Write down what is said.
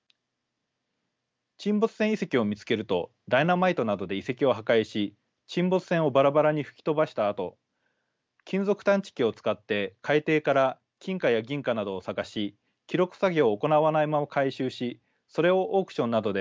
沈没船遺跡を見つけるとダイナマイトなどで遺跡を破壊し沈没船をバラバラに吹き飛ばしたあと金属探知機を使って海底から金貨や銀貨などを探し記録作業を行わないまま回収しそれをオークションなどで売っているのです。